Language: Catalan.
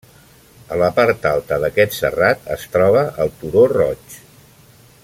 A la part alta d'aquest serrat es troba el Turó Roig.